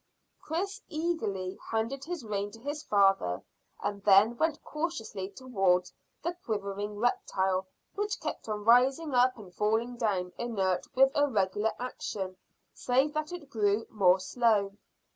Chris eagerly handed his rein to his father, and then went cautiously towards the quivering reptile, which kept on rising up and falling down inert with a regular action, save that it grew more slow.